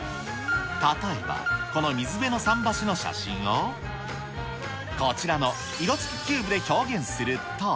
例えば、この水辺の桟橋の写真を、こちらの色つきキューブで表現すると。